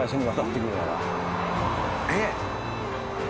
えっ！